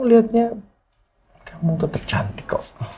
sebenarnya kamu tuh tercantik kok